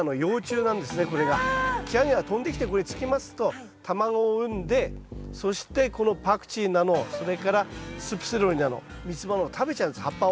キアゲハ飛んできてこれにつきますと卵を産んでそしてこのパクチーだのそれからスープセロリだのミツバのを食べちゃうんです葉っぱを。